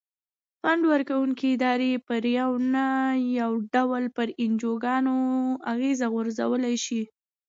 فنډ ورکوونکې ادارې په یو نه یو ډول پر انجوګانو اغیز غورځولای شي.